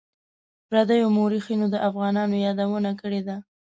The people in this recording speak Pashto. پردیو مورخینو د افغانانو یادونه کړې ده.